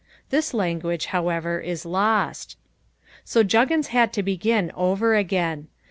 This language however is lost. So Juggins had to begin over again.